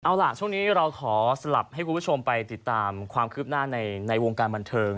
เอาล่ะช่วงนี้เราขอสลับให้คุณผู้ชมไปติดตามความคืบหน้าในวงการบันเทิง